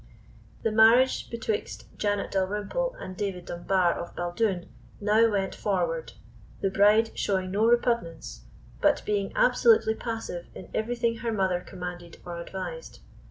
The marriage betwixt Janet Dalrymple and David Dunbar of Baldoon now went forward, the bride showing no repugnance, but being absolutely passive in everything her mother commanded or advised.